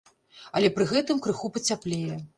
Але пры гэтым крыху пацяплее.